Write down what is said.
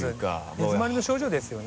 根詰まりの症状ですよね。